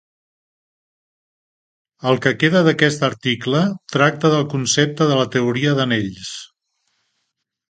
El que queda d'aquest article tracta del concepte de la teoria d'anells.